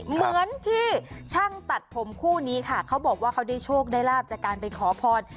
เหมือนที่ช่างตัดผมคู่นี้ค่ะเขาบอกว่าเขาได้โชคได้ลาบจากการไปขอพร